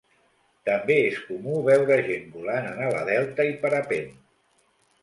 També és comú veure gent volant en ala delta i parapent.